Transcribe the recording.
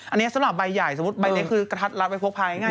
อันนี้สำหรับใบใหญ่สมมุติใบนี้คือกระทัดรัดไว้พกพาง่าย